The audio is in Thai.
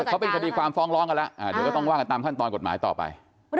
เขาเป็นคดีความฟ้องร้องกันแล้วเดี๋ยวก็ต้องว่ากันตามขั้นตอนกฎหมายต่อไป